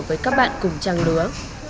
với các bạn cùng chăng đứa